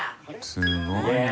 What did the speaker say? すごいな。